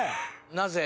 なぜ？